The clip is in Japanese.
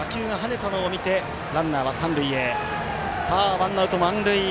ワンアウト、満塁。